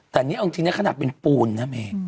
แต่นี่เอาจริงนะขนาดเป็นปูนนะเม